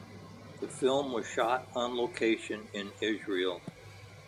The film was shot on location in Israel.